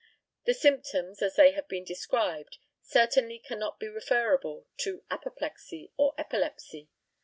The symptoms, as they have been described, certainly cannot be referable to apoplexy or epilepsy.